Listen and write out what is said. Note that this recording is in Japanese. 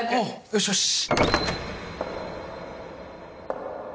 よしよし。